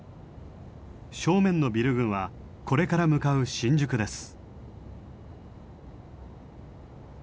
正面のビル群はこれから向かう新宿です。